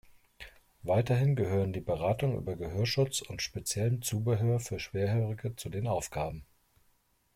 Weiterhin gehören die Beratung über Gehörschutz und speziellem Zubehör für Schwerhörige zu den Aufgaben.